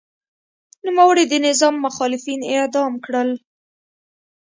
نوموړي د نظام مخالفین اعدام کړل.